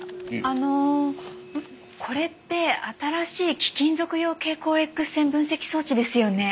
あのこれって新しい貴金属用蛍光Ｘ線分析装置ですよね。